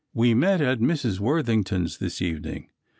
We met at Mrs. Worthington's this evening.